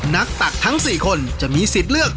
ตักทั้ง๔คนจะมีสิทธิ์เลือก